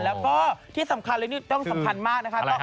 แล้วก็ที่สำคัญเลยนี่ต้องสำคัญมากนะคะ